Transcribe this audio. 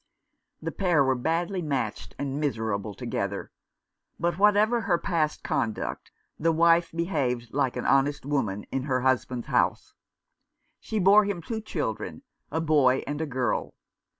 The pair were badly matched, and miserable together, but, whatever her past conduct, the wife behaved like an honest woman in her husband's house. She bore him two children, a boy and a girl.